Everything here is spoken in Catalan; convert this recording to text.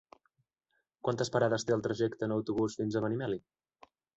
Quantes parades té el trajecte en autobús fins a Benimeli?